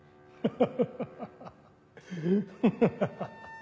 ハハハハ。